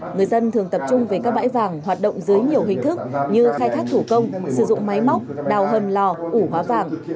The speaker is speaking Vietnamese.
người dân thường tập trung về các bãi vàng hoạt động dưới nhiều hình thức như khai thác thủ công sử dụng máy móc đào hầm lò ủ hóa vàng